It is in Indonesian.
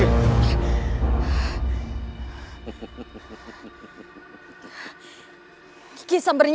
dan hampir tidak berhasil